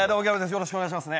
よろしくお願いします。